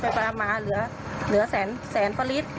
ไปมาเหลือแสนพอลิตร